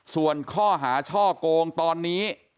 ส่วนข้อหาช่อกงตอนนี้